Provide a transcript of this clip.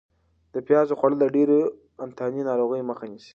د پیازو خوړل د ډېرو انتاني ناروغیو مخه نیسي.